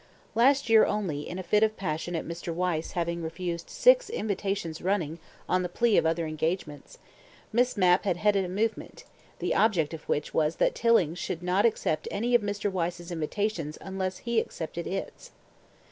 Last year only, in a fit of passion at Mr. Wyse having refused six invitations running on the plea of other engagements, Miss Mapp had headed a movement, the object of which was that Tilling should not accept any of Mr. Wyse's invitations unless he accepted its.